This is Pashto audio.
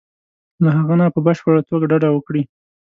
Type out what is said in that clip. له هغو نه په بشپړه توګه ډډه وکړي.